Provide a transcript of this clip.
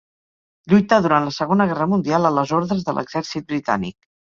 Lluità durant la Segona Guerra Mundial a les ordres de l'exèrcit britànic.